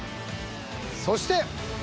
そして。